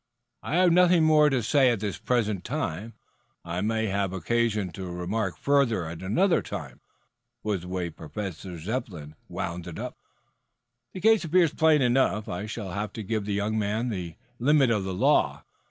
"I have nothing more to say at the present time. I may have occasion to remark further at another time," was the way Professor Zepplin wound up. "The case appears plain enough. I shall have to give the young man the limit of the law.